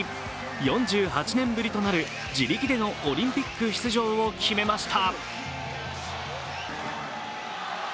４８年ぶりとなる自力でのオリンピック出場を決めました。